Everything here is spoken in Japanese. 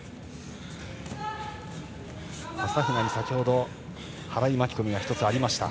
朝比奈に先ほど払い巻き込みが１つありました。